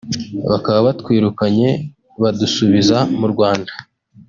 bakaba batwirukanye badusubiza mu Rwanda